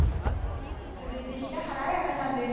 続いて平原綾香さんです。